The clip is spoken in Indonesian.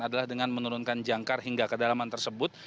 adalah dengan menurunkan jangkar hingga kedalaman tersebut